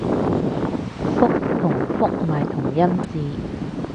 覆同復咪同音字